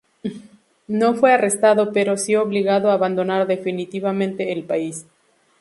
No fue arrestado, pero sí obligado a abandonar definitivamente el país.